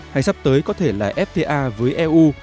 hay sắp tới có thể là fta với eu